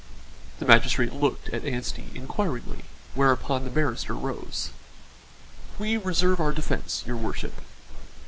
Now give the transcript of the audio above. The magistrate looked at Anstey inquiringly, whereupon the barrister rose. "We reserve our defence, your worship."